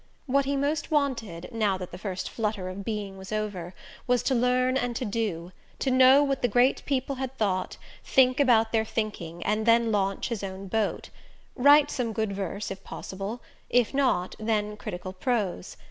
What he most wanted, now that the first flutter of being was over, was to learn and to do to know what the great people had thought, think about their thinking, and then launch his own boat: write some good verse if possible; if not, then critical prose.